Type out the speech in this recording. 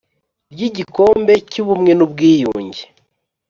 ry Igikombe cy Ubumwe n Ubwiyunge